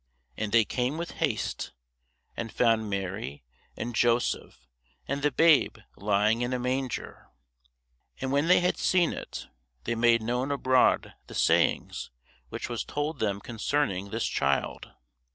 And they came with haste, and found Mary, and Joseph, and the babe lying in a manger. And when they had seen it, they made known abroad the saying which was told them concerning this child.